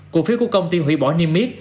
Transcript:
cổ phiếu của công ty hủy bỏ niêm miết